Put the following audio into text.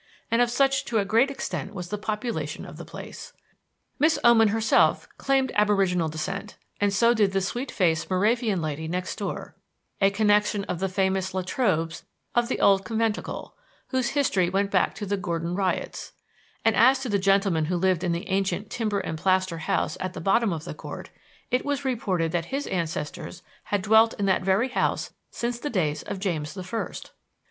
And of such to a great extent was the population of the place. Miss Oman herself claimed aboriginal descent and so did the sweet faced Moravian lady next door a connection of the famous La Trobes of the old Conventicle, whose history went back to the Gordon Riots; and as to the gentleman who lived in the ancient timber and plaster house at the bottom of the court, it was reported that his ancestors had dwelt in that very house since the days of James the First.